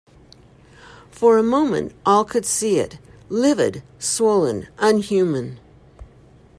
For a moment all could see it — livid, swollen, unhuman.